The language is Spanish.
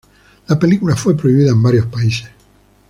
La película fue prohibida en varios países.